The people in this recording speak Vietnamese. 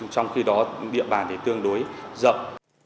trong khi đó địa bàn thì tương đối rộng